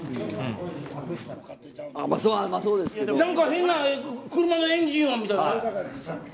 変な車のエンジン音みたいな。